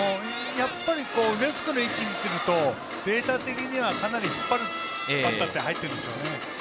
レフトの位置に来るとデータ的には、かなり引っ張るバッターって入っているんですよね。